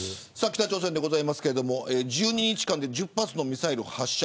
北朝鮮ですが１２日間で１０発のミサイルを発射。